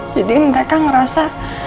jadi mereka ngerasa